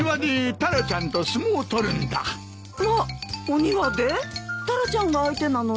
タラちゃんが相手なのに？